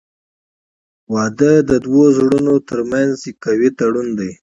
• واده د دوه زړونو ترمنځ قوي تړون دی.